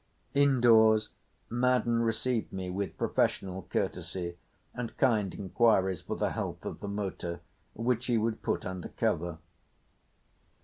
Indoors, Madden received me with professional courtesy, and kind inquiries for the health of the motor, which he would put under cover.